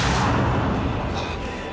あっ！